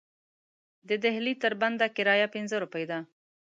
د دهالې تر بنده کرایه پنځه روپۍ ده.